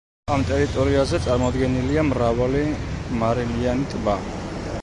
ამ ტერიტორიაზე წარმოდგენილია მრავალი მარილიანი ტბა.